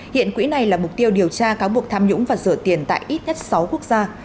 hiện quỹ này là mục tiêu điều tra cáo buộc tham nhũng và rửa tiền tại ít nhất sáu quốc gia